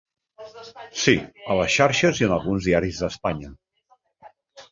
Sí, a les xarxes i en alguns diaris d’Espanya.